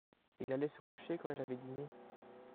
il allait se coucher quand il avait diné.